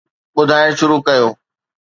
ٻڌائڻ شروع ڪيو